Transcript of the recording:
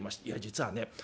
「いや実はね